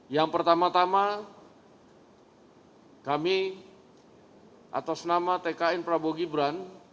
yang pertama tama kami atas nama tkn prabowo gibran